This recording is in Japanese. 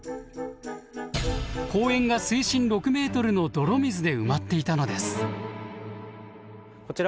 公園が水深６メートルの泥水で埋まっていたのです。